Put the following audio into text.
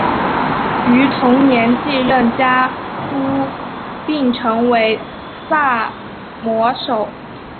于同年继任家督并成为萨摩守。